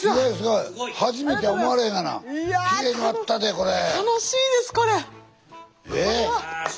いや楽しいですこれ。